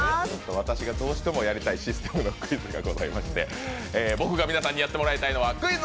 私がどうしてもやりたいシステムのクイズがありまして僕が皆さんにやってもらいたいのはクイズ！